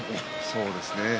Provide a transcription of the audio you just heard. そうですね。